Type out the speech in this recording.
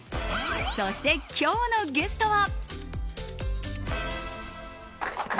そして今日のゲストは。